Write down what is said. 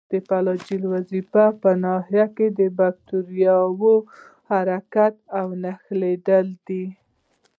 د فلاجیل وظیفه په ناحیه کې د باکتریاوو حرکت او نښلیدل دي.